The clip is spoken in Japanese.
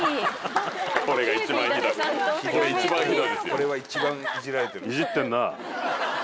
これは一番いじられてる。